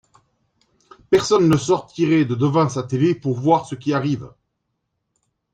personne ne sortirait de devant sa télé pour voir ce qui arrive.